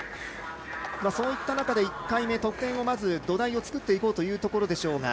そういった中で、１回目得点の土台を作っていこうというところ。